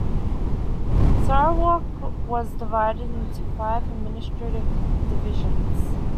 Sarawak was divided into five administrative Divisions.